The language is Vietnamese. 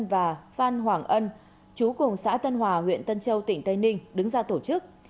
và phan hoàng ân chú cùng xã tân hòa huyện tân châu tỉnh tây ninh đứng ra tổ chức